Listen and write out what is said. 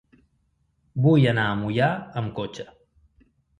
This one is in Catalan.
Vull anar a Moià amb cotxe.